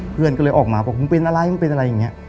เพื่อนก็เลยออกมาบอกมึงเป็นอะไรมึงเป็นอะไรอย่างนี้